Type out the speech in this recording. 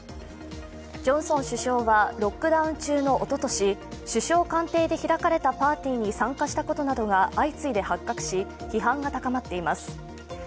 ジョンソン首相はロックダウン中のおととし、首相官邸で開かれたパーティーに参加したことなどが相次いで発覚し批判が高まっています。